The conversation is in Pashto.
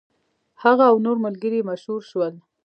هغه او نور ملګري یې مشهور شول.